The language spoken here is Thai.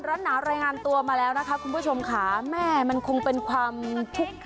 ร้อนหนาวรายงานตัวมาแล้วนะคะคุณผู้ชมค่ะแม่มันคงเป็นความทุกข์